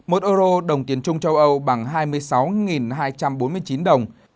một eur đồng tiền trung châu âu bằng hai mươi sáu hai trăm bốn mươi chín đồng